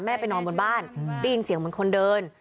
ไปนอนบนบ้านได้ยินเสียงเหมือนคนเดิน